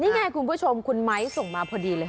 นี่ไงคุณผู้ชมคุณไมค์ส่งมาพอดีเลย